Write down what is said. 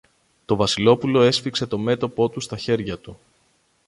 Το Βασιλόπουλο έσφιξε το μέτωπο του στα χέρια του.